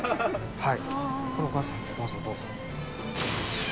はい。